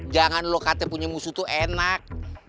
jangan lo kata punya musuh tuh enak